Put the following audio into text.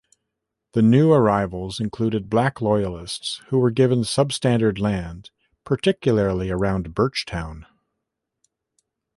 The new arrivals included Black Loyalists who were given substandard land, particularly around Birchtown.